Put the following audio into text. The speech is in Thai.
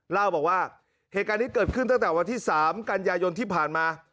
เล่าบอกว่าเหตุการณ์นี้เกิดขึ้นตั้งแต่วันที่๓กันยายนที่ผ่านมา